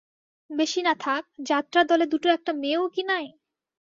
বেশি না থাক, যাত্রার দলে দুটো একটা মেয়েও কি নাই?